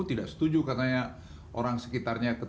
tidak setuju katanya orang sekitarnya